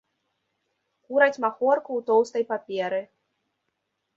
Кураць махорку ў тоўстай паперы.